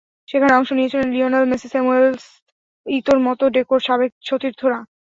সেখানে অংশ নিয়েছিলেন লিওনেল মেসি, স্যামুয়েল ইতোর মতো ডেকোর সাবেক সতীর্থরা।